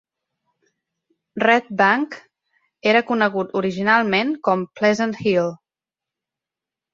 Red Bank era conegut originalment com Pleasant Hill.